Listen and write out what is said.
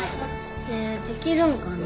えできるんかな。